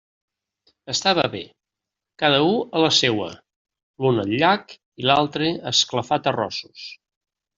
Estava bé; cada u a la seua: l'un al llac i l'altre a esclafar terrossos.